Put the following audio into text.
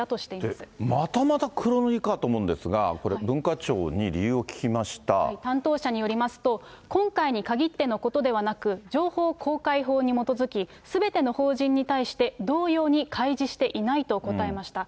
またまた黒塗りかと思うんですが、これ、文化庁に理由を聞き担当者によりますと、今回に限ってのことではなく、情報公開法に基づき、すべての法人に対して同様に開示していないと答えました。